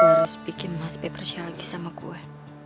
gue harus bikin mas b percaya lagi sama gue